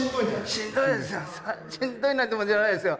しんどいなんてもんじゃないですよ。